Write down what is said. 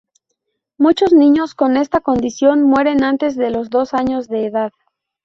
Muchos niños con esta condición mueren antes de los dos años de edad.